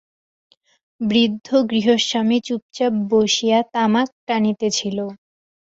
বৃদ্ধ গৃহস্বামী চুপচাপ বসিয়া তামাক টানিতেছিল।